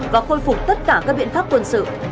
và khôi phục tất cả các biện pháp quân sự